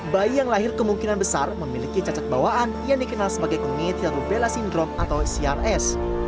bayi yang lahir kemungkinan besar memiliki cacat bawaan yang dikenal sebagai commither rubella syndrom atau crs